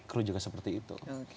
crew juga seperti itu